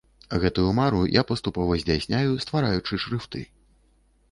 Гэтую мару я паступова здзяйсняю, ствараючы шрыфты.